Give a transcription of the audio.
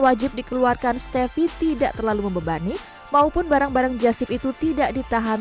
wajib dikeluarkan stefi tidak terlalu membebani maupun barang barang jaship itu tidak ditahan